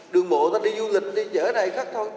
đường bộ ta đi du lịch đi chợ này khác thôi